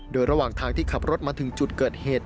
โดยระหว่างทางที่ขับรถมาถึงจุดเกิดเหตุ